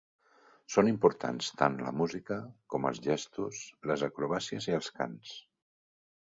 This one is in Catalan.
Són importants tant la música, com els gestos, les acrobàcies i els cants.